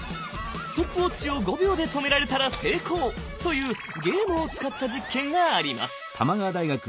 ストップウォッチを５秒で止められたら成功というゲームを使った実験があります。